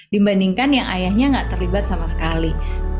dibandingkan yang ayahnya nggak terlibat sama sekali